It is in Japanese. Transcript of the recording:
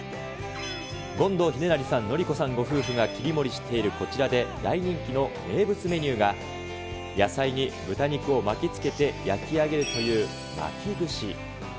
権藤秀成さん、徳子さんご夫婦が切り盛りしているこちらで大人気の名物メニューが、野菜に豚肉を巻きつけて焼き上げるという巻串。